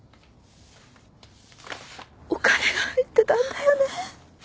お金が入ってたんだよね。